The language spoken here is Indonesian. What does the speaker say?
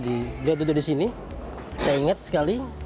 dia duduk di sini saya ingat sekali